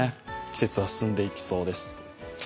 季節は進んでいきそうです。